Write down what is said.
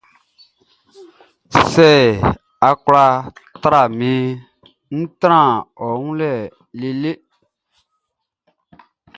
Sɛ a kwla tra minʼn, ń trán ɔ wun lɛ lele.